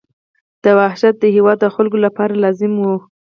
دا وحشت د هېواد او خلکو لپاره لازم وو.